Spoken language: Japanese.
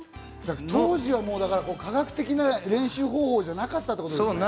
当時は科学的な練習方法じゃなかったってことでね。